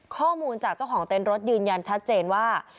ข้อมูลจากเจ้าของเต้นรถยืนยันชัดเจนว่า